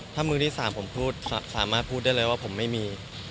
ถ้ามือที่๓ผมพูดสามารถพูดได้เลยว่าผมไม่มี